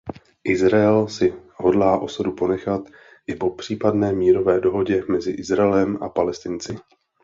Izrael si hodlá osadu ponechat i po případné mírové dohodě mezi Izraelem a Palestinci.